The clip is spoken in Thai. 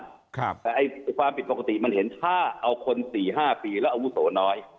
แต่ประมาณมีความผิดปกติมันเห็นข้าอาวุโสน้อย